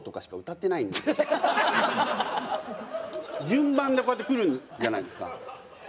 順番でこうやってくるじゃないですか。